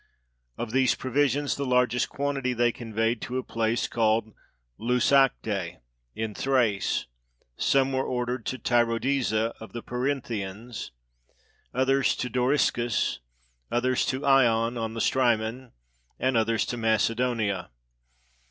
Of these pro visions the largest quantity they conveyed to a place called Leuce Acte, in Thrace; some were ordered to Tyrodiza of the Perinthians, others to Doriscus, others to Eion on the Strymon, and others to Macedonia.